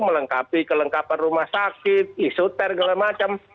melengkapi kelengkapan rumah sakit isoter segala macam